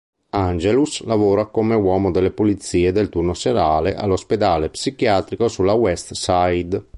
Angelus lavora come uomo delle pulizie del turno serale all'ospedale psichiatrico sulla West Side.